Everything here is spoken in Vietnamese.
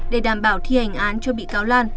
để đảm bảo thi hành án cho bị cáo lan